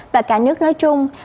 và cả nước nói chung